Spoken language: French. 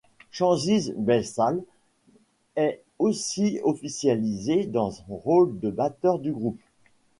Cengiz Baysal est aussi officialisé dans son rôle de batteur du groupe.